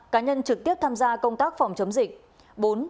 ba cá nhân trực tiếp tham gia công tác phòng chấm dịch